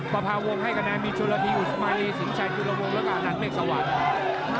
ประพาวงให้กระแนนมีชุณฤทธิอุสมัยสินชัยยุโรงงศ์และการันเมฆสวรรค์